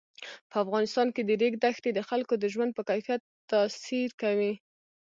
په افغانستان کې د ریګ دښتې د خلکو د ژوند په کیفیت تاثیر کوي.